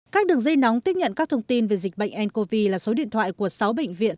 các đường dây nóng tiếp nhận các thông tin về dịch bệnh ncov là số điện thoại của sáu bệnh viện